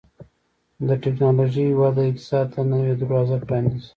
د ټکنالوژۍ وده اقتصاد ته نوي دروازې پرانیزي.